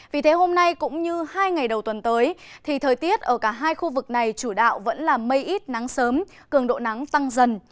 vì thế hôm nay cũng như hai ngày đầu tuần tới thì thời tiết ở cả hai khu vực này chủ đạo vẫn là mây ít nắng sớm cường độ nắng tăng dần